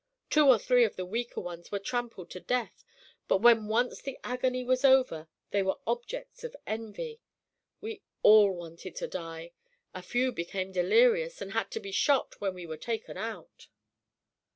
Two or three of the weaker ones were trampled to death, but when once the agony was over, they were objects of envy. We all wanted to die. A few became delirious and had to be shot when we were taken out.